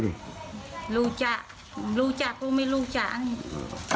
รู้จักรู้จักกูไม่รู้จัก